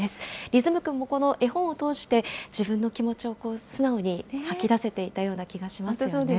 律夢君もこの絵本を通して、自分の気持ちを素直に吐きだせていたような気がしましたよね。